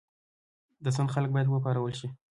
د سند خلک باید وپارول شي.